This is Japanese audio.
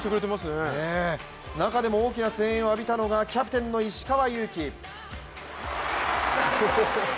中でも大きな声援を浴びたのがキャプテンの石川祐希。